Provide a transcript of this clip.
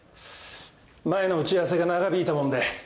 前の打ち合わせが長引いたもんで。